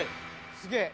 すげえ。